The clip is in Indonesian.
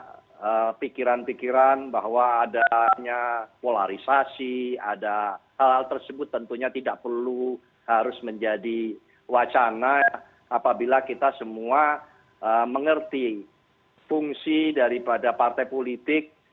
ada pikiran pikiran bahwa adanya polarisasi ada hal hal tersebut tentunya tidak perlu harus menjadi wacana apabila kita semua mengerti fungsi daripada partai politik